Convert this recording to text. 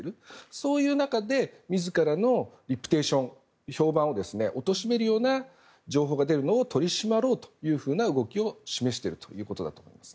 そういう中で自らのリプテーション評判を貶めるような情報が出るのを取り締まろうというふうな動きを示しているということだと思います。